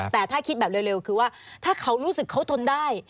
แต่ถ้าคิดแบบเร็วคือว่าถ้าเขารู้สึกเขาทนได้